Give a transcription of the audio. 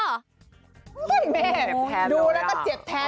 เฮ่ยแม่ดูแล้วก็เจ็บเกิน